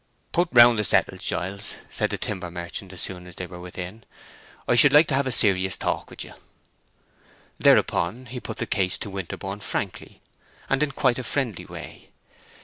"Pull round the settle, Giles," said the timber merchant, as soon as they were within. "I should like to have a serious talk with you." Thereupon he put the case to Winterborne frankly, and in quite a friendly way.